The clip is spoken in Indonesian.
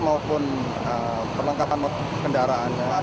maupun perlengkapan kendaraannya